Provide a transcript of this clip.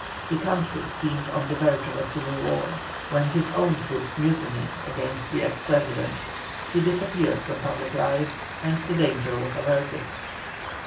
The country seemed on the verge of a civil war, when his own troops mutinied against the ex President. He disappeared from public life, and the danger was averted.